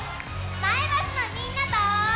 前橋のみんなと。